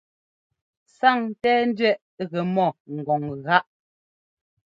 Sáŋńtɛ́ɛńdẅɛꞌ gɛ mɔ ŋgɔŋ gáꞌ.